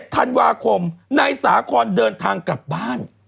ธันวาคมนายสาคอนเดินทางกลับบ้าน